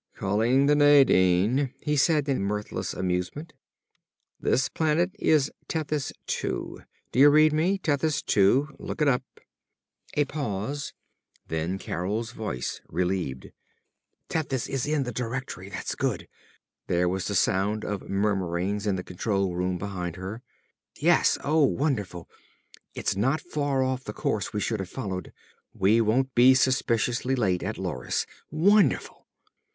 "Calling the Nadine!" he said in mirthless amusement. "This planet is Tethys Two. Do you read me? Tethys II! Look it up!" A pause. Then Carol's voice, relieved; "Tethys is in the Directory! That's good!" There was the sound of murmurings in the control room behind her. "_Yes!... Oh, wonderful! It's not far off the course we should have followed! We won't be suspiciously late at Loris! Wonderful!